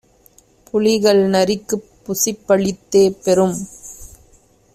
புலிகள் நரிக்குப் புசிப்பளித்தே பெரும்